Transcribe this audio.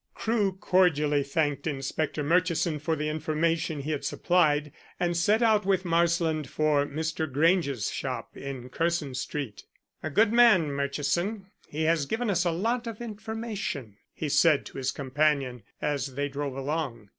Crewe cordially thanked Inspector Murchison for the information he had supplied, and set out with Marsland for Mr. Grange's shop in Curzon Street. "A good man, Murchison; he has given us a lot of information," he said to his companion as they drove along.